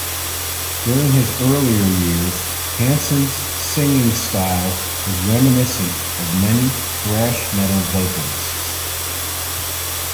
During his earlier years Hansen's singing style was reminiscent of many thrash metal vocalists.